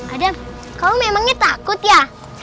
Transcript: ada kau memangnya takut ya